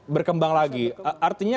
berkembang lagi artinya